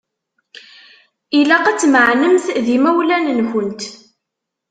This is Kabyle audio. Ilaq ad tmeεnemt d yimawlan-nkent.